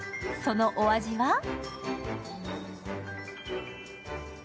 そのお味は？